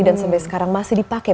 dan sampai sekarang masih dipakai